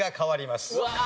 うわ！